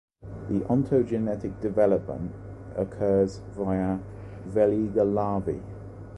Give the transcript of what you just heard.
The ontogenetic development occurs via Veliger larvae.